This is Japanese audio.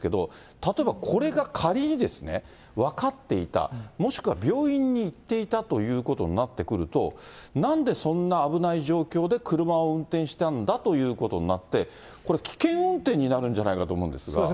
例えばこれが仮にですね、分かっていた、もしくは病院に行っていたということになってくると、なんでそんな危ない状況で車を運転したんだということになって、これ、危険運転になるんじゃないかと思うんですが。